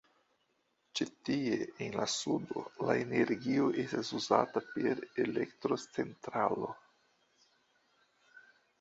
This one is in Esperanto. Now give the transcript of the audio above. Ĉi tie en la sudo, la energio estas uzata per elektrocentralo.